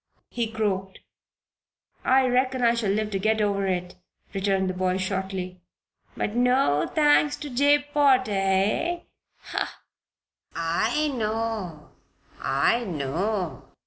he croaked. "I reckon I shall live to get over it," returned the boy, shortly. "But no thanks to Jabe Potter heh? Ha! I know, I know!"